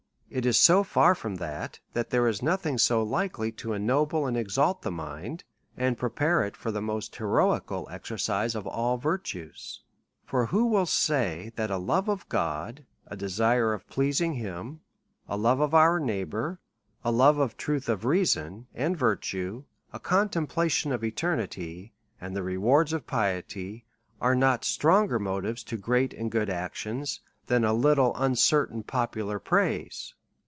It is so far from that, that there is nothing so likely to ennoble and exalt the mind, and prepare it for the inost heroical exercise of all virtues. For who will say, that a love of God, a desire of pleasing him, a love of our neighbour, a love of truth, of reason and virtue, a contemplation of eternity and K 3 !246 A SERIOUS CALL TO A the rewards of piety, are not stronger motives to great and good actions, than a little uncertain popular praise